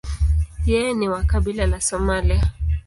Yeye ni wa kabila la Somalia.